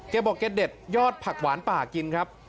แกบอกแกเด็ดยอดผักหวานป่ากินครับ